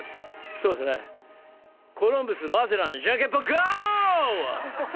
そうですねコロンブスマゼランジャンケンポンＧＯ！！